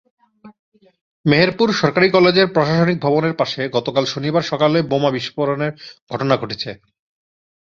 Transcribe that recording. মেহেরপুর সরকারি কলেজের প্রশাসনিক ভবনের পাশে গতকাল শনিবার সকালে বোমা বিস্ফোরণের ঘটনা ঘটেছে।